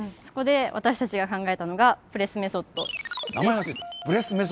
そこで私たちが考えたのがプレスメソッドです。